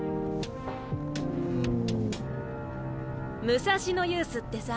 武蔵野ユースってさ